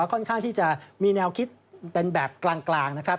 ค่อนข้างที่จะมีแนวคิดเป็นแบบกลางนะครับ